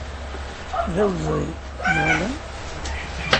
D awezɣi, neɣ ala?